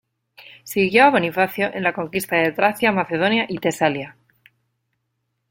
Siguió a Bonifacio en la conquista de Tracia, Macedonia y Tesalia.